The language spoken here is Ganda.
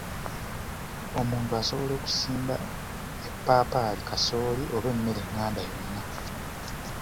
"Omuntu asobola okusimba eppaapaali, kasooli, oba emmere enganda yonna."